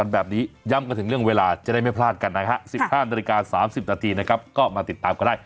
แบบนี้ย้ำกันถึงเรื่องเวลาจะได้ไม่พลาดกันนะฮะ๑๕นาฬิกา๓๐นาทีนะครับก็มาติดตามก็ได้